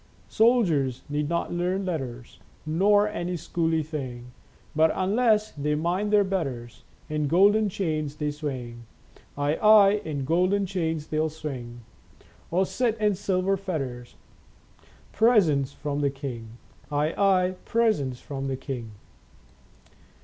Soldiers need not learn letters Nor any school y thing ; But, unless they mind their betters, In golden chains they swing. Aye, aye, in golden chains they'll swing. Or sit in silver fetters, Presents from the king. Aye, aye, presents from the king."